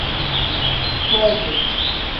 Seedi.